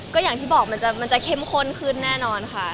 ก็อย่างที่บอกมันจะเข้มข้นขึ้นแน่นอนค่ะ